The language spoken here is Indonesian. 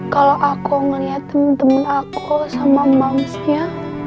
kalau aku ngelihat temen temen aku sama mamsnya